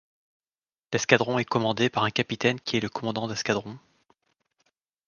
L'escadron est commandé par un capitaine qui est le commandant d'escadron.